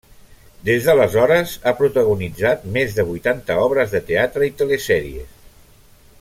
Des d'aleshores ha protagonitzat més de vuitanta obres de teatre i telesèries.